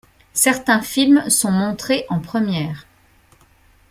Certains films sont montrés en première.